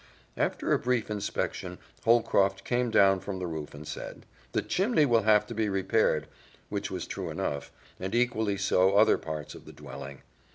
After a brief inspection Holcroft came down from the roof and said, "The chimney will have to be repaired," which was true enough and equally so of other parts of the dwelling.